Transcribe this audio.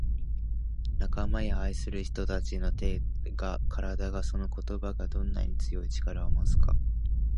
「仲間や愛する人達の手が体がその言葉がどんなに強い力を持つか」